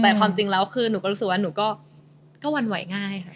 แต่ความจริงก็ก็รู้สึกว่าหนูก็วรรล์ไหวง่าย